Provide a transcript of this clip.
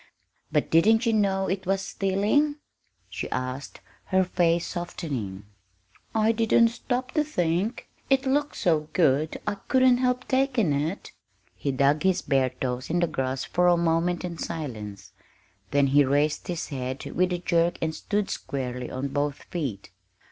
"But didn't you know it was stealing?" she asked, her face softening. "I didn't stop to think it looked so good I couldn't help takin' it." He dug his bare toes in the grass for a moment in silence, then he raised his head with a jerk and stood squarely on both feet.